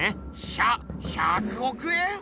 ひゃ１００億円